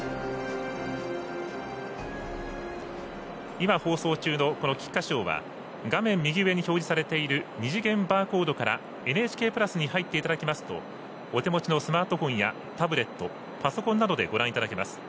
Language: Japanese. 今、放送中の菊花賞は画面の右上に表示されている二次元バーコードからＮＨＫプラスに入っていただきますとお手持ちのスマートフォンやタブレットパソコンなどでご覧いただけます。